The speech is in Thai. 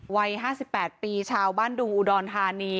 วัยห้าสิบแปดปีชาวบ้านดูอุดรทานี